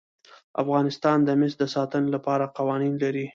افغانستان د مس د ساتنې لپاره قوانین لري.